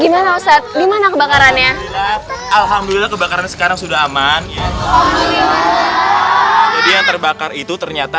gimana ustadz gimana kebakarannya alhamdulillah kebakaran sekarang sudah aman jadi yang terbakar itu ternyata